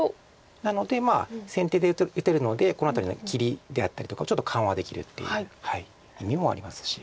なので先手で打てるのでこの辺りの切りであったりとかをちょっと緩和できるっていう意味もありますし。